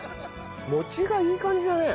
餅がいい感じだね。